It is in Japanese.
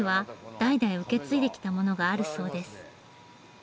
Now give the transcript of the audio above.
代々受け継いできたものがあるそうです。